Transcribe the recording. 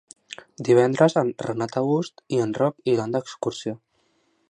Divendres en Renat August i en Roc iran d'excursió.